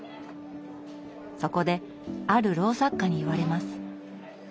そこである老作家に言われます。